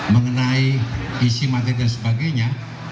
mengenai isi materi dan sebagainya